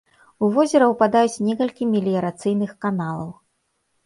У возера ўпадаюць некалькі меліярацыйных каналаў.